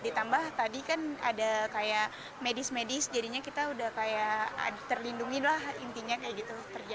ditambah tadi kan ada kayak medis medis jadinya kita udah kayak terlindungi lah intinya kayak gitu